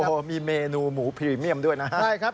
โอ้โหมีเมนูหมูพรีเมียมด้วยนะฮะใช่ครับ